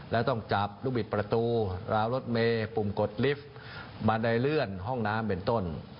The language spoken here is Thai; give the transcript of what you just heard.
แล้วต้องจับลูกบิดประตูราวรถเมย์ปุ่มกดลิฟท์บันไดเลื่อนห้องน้ำเป็นต้น